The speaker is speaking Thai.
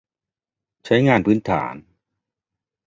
ใช้งานพื้นฐาน